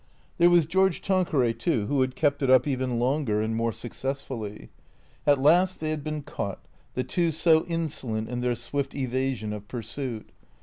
There was George Tanqueray, too, who had kept it up even longer and more successfully. At last they had been caught, the two so insolent in their swift evasion of pursuit.